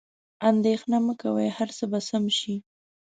اندیښنه مه کوئ، هر څه به سم شي.